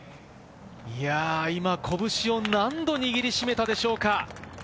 拳を何度握り締めたでしょうか。